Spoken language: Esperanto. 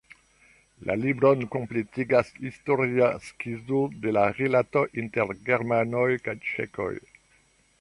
La libron kompletigas historia skizo de la rilatoj inter germanoj kaj ĉeĥoj.